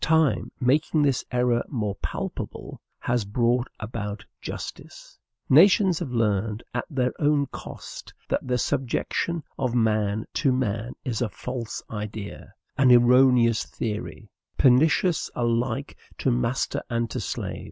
Time, making this error more palpable, has brought about justice. Nations have learned at their own cost that the subjection of man to man is a false idea, an erroneous theory, pernicious alike to master and to slave.